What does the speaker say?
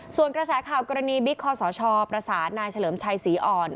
ส่วนกระแสข่าวกรณีบิ๊กคอสชประสานนายเฉลิมชัยศรีอ่อน